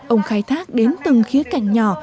ông khai thác đến từng khía cạnh nhỏ